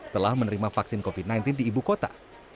telah menerima vaksin covid sembilan belas di ibu kota